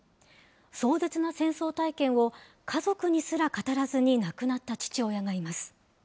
壮絶な戦争体験を家族にすら語らずに亡くなった父親がいます。